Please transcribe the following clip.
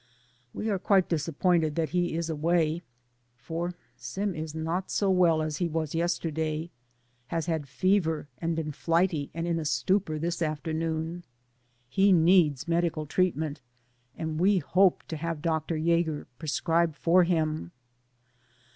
We are quite disap pointed that he is away, for Sim is not so well as he was yesterday, has had fever and been flighty and in a stupor this afternoon. He needs medical treatment, and we hoped to have Dr. Yager prescribe for him.